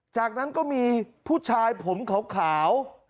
จากนั้นก็มีผู้ชายผมขาว